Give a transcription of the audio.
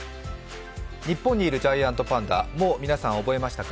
日本にいるジャイアントパンダ、もう皆さん、覚えましたか？